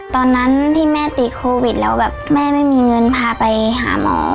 ตอนนั้นที่แม่ติดโควิดแล้วแบบแม่ไม่มีเงินพาไปหาหมอ